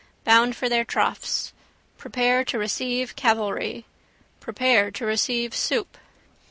Bound for their troughs. Prepare to receive cavalry. Prepare to receive soup.